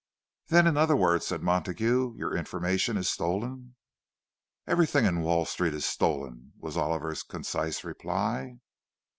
"Then, in other words," said Montague, "your information is stolen?" "Everything in Wall Street is stolen," was Oliver's concise reply.